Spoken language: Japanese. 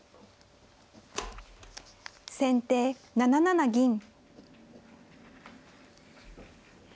先手７七銀。